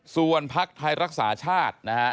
ส่วนภักดิ์ไทยรักษาชาตินะฮะ